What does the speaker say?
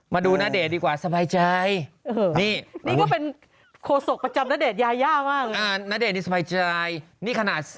มาดูณเดชน์ดีกว่าสบายใจ